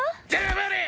黙れ！